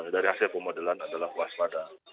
dari hasil pemodelan adalah waspada